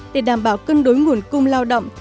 để đảm bảo cân đối nguồn cung lao động